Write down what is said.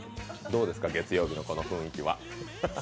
どうですか、月曜日のこの雰囲気は。